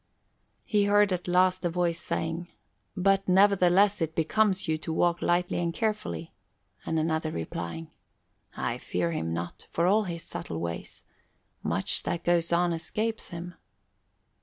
He heard at last a voice saying, "But nevertheless it becomes you to walk lightly and carefully," and another replying, "I fear him not, for all his subtle ways. Much that goes on escapes him."